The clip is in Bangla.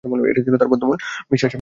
এটা ছিল তার বদ্ধমূল বিশ্বাস।